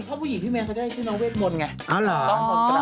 เท่าผู้หญิงพี่แมนเค้าก็ได้ชื่อน้องเวชมนไง